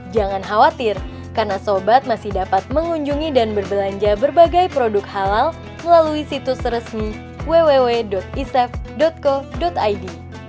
jangan khawatir karena sobat masih dapat mengunjungi dan berbelanja berbagai produk halal melalui situs resmi www isef co id